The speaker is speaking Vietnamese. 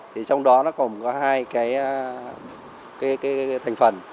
trong đó còn có hai thành phần